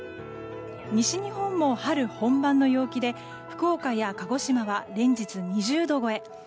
西日本も春本番の陽気で福岡や鹿児島は連日２０度超え。